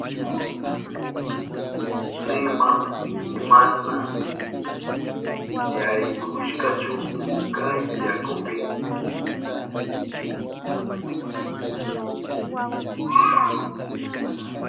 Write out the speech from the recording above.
Nima imashna yaykushanchu kay yakupi.